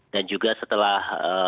dan juga setelah